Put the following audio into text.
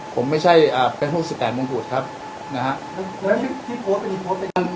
ผมไม่ใช่อ่าเป็นพวกสิบแปดมุมหุดครับนะฮะแล้วพี่พี่โพสต์เป็นยังไง